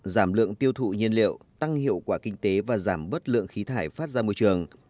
giảm lượng tiêu thụ nhiên liệu tăng hiệu quả kinh tế và giảm bớt lượng khí thải phát ra môi trường